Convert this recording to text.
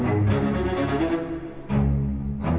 เจ็ดเก้า